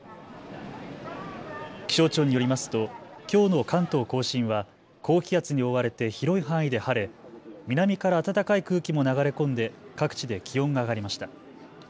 気象庁によりますときょうの関東甲信は高気圧に覆われて広い範囲で晴れ南から暖かい空気も流れ込んで各地で気温が上がりました。